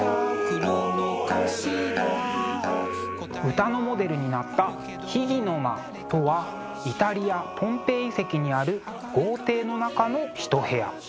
歌のモデルになった秘儀の間とはイタリアポンペイ遺跡にある豪邸の中の一部屋。